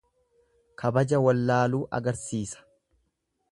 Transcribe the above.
Kabaja wallaaluu agarsiisa.